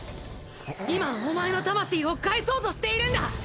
今お前の魂を返そうとしているんだ。